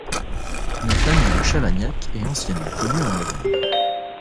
La famille de Chavagnac est anciennement connue en Auvergne.